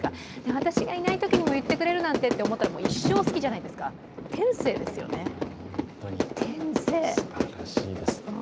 私がいないときにも言ってくれるなんて思ったら一生好きじゃないですか、天性ですよね。